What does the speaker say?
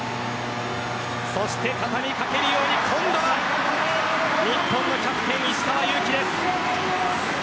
そして、たたみかけるように今度は日本のキャプテン石川祐希です。